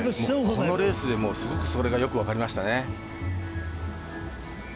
このレースでもすごくそれが分かりましたね。